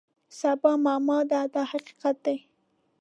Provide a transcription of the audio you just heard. سبا معما ده دا حقیقت دی.